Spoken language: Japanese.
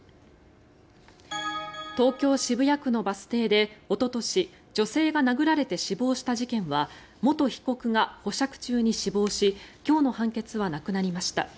東京・渋谷区のバス停でおととし女性が殴られて死亡した事件は元被告が保釈中に死亡し今日の判決はなくなりました。